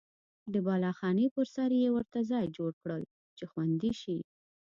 د بالاخانې په سر یې ورته ځای جوړ کړل چې خوندي شي.